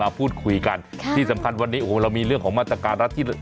พูดคุยกันที่สำคัญวันนี้โอ้โหเรามีเรื่องของมาตรการรัฐที่